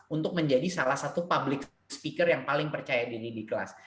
untuk menjadi salah satu public speaker yang paling percaya diri di kelas